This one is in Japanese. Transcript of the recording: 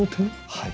はい。